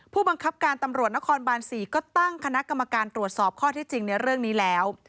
ผู้บังคับการตำรวจนครบาน๔ก็ตั้งคณะกรรมการตรวจสอบข้อที่จริงในเรื่องนี้แล้ว